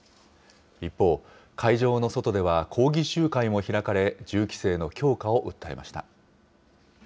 一方、会場の外では抗議集会も開かれ、銃規制の強化を訴えました。